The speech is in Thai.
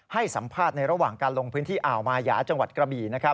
ให้สัมภาษณ์ในระหว่างการลงพื้นที่อ่าวมายาจังหวัดกระบี่